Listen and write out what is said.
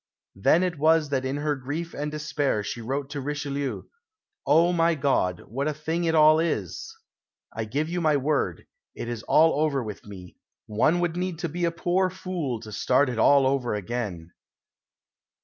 Then it was that in her grief and despair she wrote to Richelieu, "Oh, my God! what a thing it all is! I give you my word, it is all over with me! One would need to be a poor fool to start it all over again."